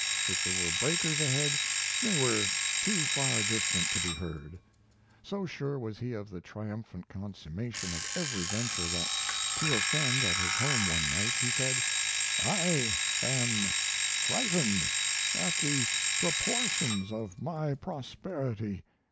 If there were breakers ahead, they were too far distant to be heard. So sure was he of the triumphant consummation of every venture that to a friend at his home one night he said: "I am frightened at the proportions of my prosperity.